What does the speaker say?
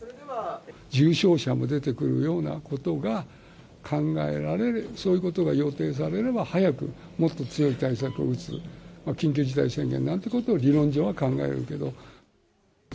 重症者も出てくるようなことが考えられれば、そういうことが予定されれば、早くもっと強い対策を打つ、緊急事態宣言なんてことも理論上は考えるけど。